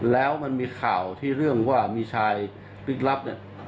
แล้วมันมีข่าวที่เรื่องว่ามีชายลึกลับเนี่ย